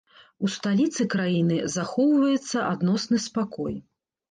У сталіцы краіны захоўваецца адносны спакой.